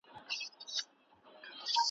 دې ښکاري ته رسېدلی یو کمال وو ,